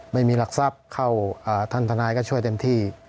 ไม่มีหลักทรัพย์เข้าท่านทนายก็ช่วยเต็มที่